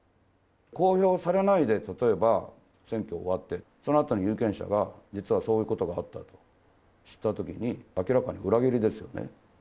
公表されないで、例えば選挙終わって、そのあとに有権者が、実はそういうことがあったと知ったときに、明らかに裏切りですよね。